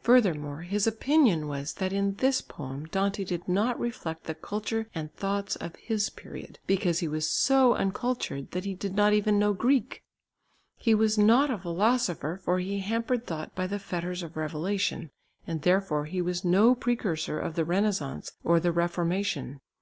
Furthermore his opinion was that in this poem Dante did not reflect the culture and thoughts of his period, because he was so uncultured that he did not even know Greek. He was not a philosopher, for he hampered thought by the fetters of revelation, and therefore he was no precursor of the Renaissance or the Reformation.